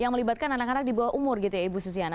yang melibatkan anak anak di bawah umur gitu ya ibu susiana